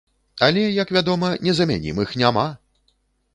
Але, як вядома, незамянімых няма!